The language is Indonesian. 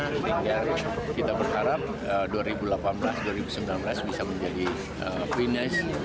sehingga kita berharap dua ribu delapan belas dua ribu sembilan belas bisa menjadi finish